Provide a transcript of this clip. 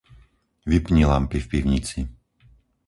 Vypni lampy v pivnici.